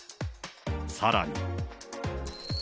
さらに。